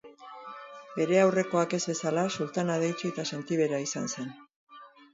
Bere aurrekoak ez bezala, sultan adeitsu eta sentibera izan zen.